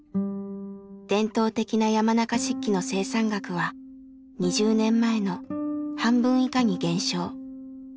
伝統的な山中漆器の生産額は２０年前の半分以下に減少。